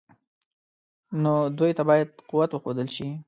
نو دوی ته باید قوت وښودل شي.